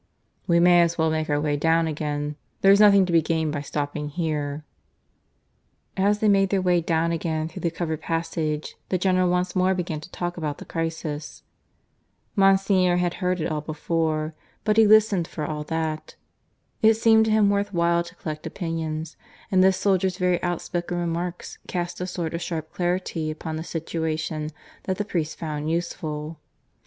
"We may as well make our way down again. There's nothing to be gained by stopping here." As they made their way down again through the covered passage, the General once more began to talk about the crisis. Monsignor had heard it all before; but he listened for all that. It seemed to him worth while to collect opinions; and this soldier's very outspoken remarks cast a sort of sharp clarity upon the situation that the priest found useful.